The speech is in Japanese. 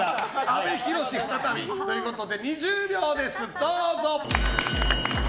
再びということで２０秒です、どうぞ！